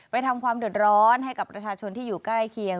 ทำความเดือดร้อนให้กับประชาชนที่อยู่ใกล้เคียง